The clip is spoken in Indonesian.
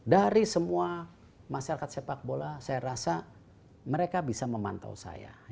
dari semua masyarakat sepak bola saya rasa mereka bisa memantau saya